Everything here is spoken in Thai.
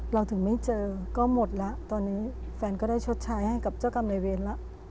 เราถึงไม่เจอก็หมดแล้วตอนนี้แฟนก็ได้ชดใช้ให้กับเจ้ากรรมในเวรแล้ว